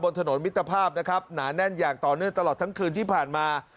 ถนนมิตรภาพนะครับหนาแน่นอย่างต่อเนื่องตลอดทั้งคืนที่ผ่านมา